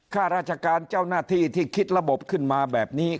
ข้าราชการเจ้าหน้าที่ที่คิดระบบขึ้นมาแบบนี้